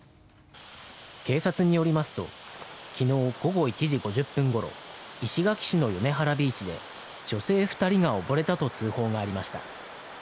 警察によりますと昨日午後１時５０分ごろ石垣市の米原ビーチで女性２人が溺れたと通報がありました。